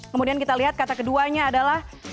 kemudian kita lihat kata keduanya adalah